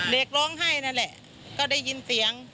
เด็กร้องไห้นั่นแหละก็ได้ยินเสียง